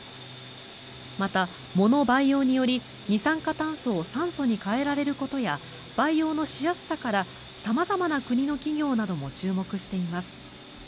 また、藻の培養により二酸化炭素を酸素に変えられることや培養のしやすさから様々な国の企業なども注目しています。